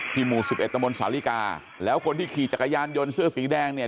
หมู่๑๑ตะมนต์สาลิกาแล้วคนที่ขี่จักรยานยนต์เสื้อสีแดงเนี่ย